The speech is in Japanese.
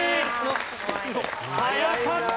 早かった。